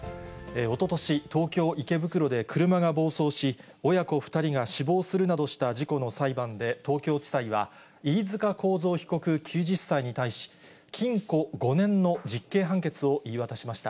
おととし、東京・池袋で車が暴走し、親子２人が死亡するなどした事故の裁判で、東京地裁は、飯塚幸三被告９０歳に対し、禁錮５年の実刑判決を言い渡しました。